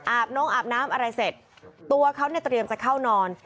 บนงอาบน้ำอะไรเสร็จตัวเขาเนี่ยเตรียมจะเข้านอน